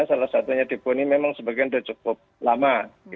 salah satunya depo ini memang sebagian sudah cukup lama